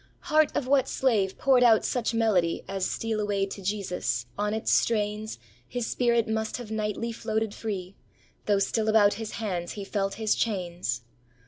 Heart of what slave poured out such melody As "Steal Away to Jesus"? On its strains His spirit must have nightly floated free, Though still about his hands he felt his chains.